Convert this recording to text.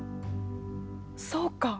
そうか！